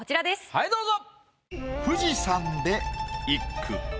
はいどうぞ。